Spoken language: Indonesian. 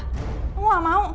kamu gak mau